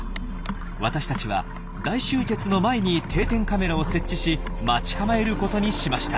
私たちは大集結の前に定点カメラを設置し待ち構えることにしました。